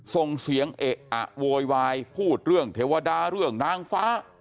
ส่งเสียงเอะอะโวยวายพูดเรื่องเทวดาเรื่องนางฟ้า